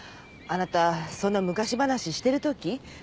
あなたそんな昔話してるとき？